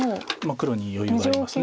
黒に余裕があります。